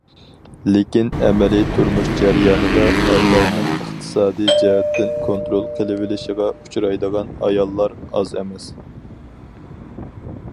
لېكىن ئەمەلىي تۇرمۇش جەريانىدا ئەرلەرنىڭ ئىقتىسادىي جەھەتتىن كونترول قىلىۋېلىشىغا ئۇچرايدىغان ئاياللار ئاز ئەمەس.